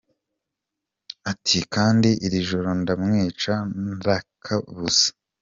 Ati “Kandi iri joro ndamwica ntakabuza”.